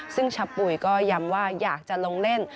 ซึ่งชะปุ๋ยก็ย้ำว่าอยากจะลงเล่น